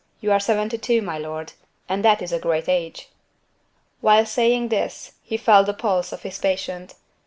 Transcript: You are seventy two, my lord; and that is a great age." Whilst saying this, he felt the pulse of his patient.